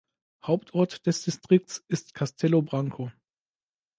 Hauptort des Distrikts ist Castelo Branco.